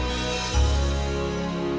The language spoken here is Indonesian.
untuk menikmati video terbaru